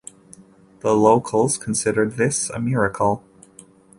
The locals considered this a miracle.